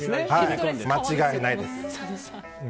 間違いないです。